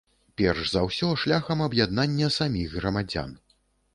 Перш за ўсё, шляхам аб'яднання саміх грамадзян.